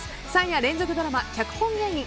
３夜連続ドラマ「脚本芸人」。